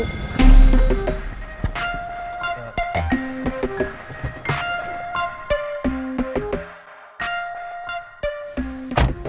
gak usah bawa bantuan